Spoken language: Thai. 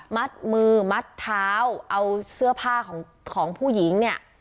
มัดมือมัดเท้าเอาเสื้อผ้าของของผู้หญิงเนี่ย